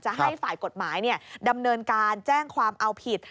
ให้ฝ่ายกฎหมายดำเนินการแจ้งความเอาผิด